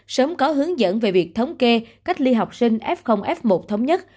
sớm có hướng dẫn về việc thống kê cách ly học sinh f f một thống nhất